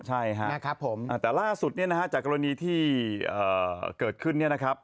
ใช่ครับแต่ล่าสุดจากกรณีที่เกิดขึ้นนี่นะครับ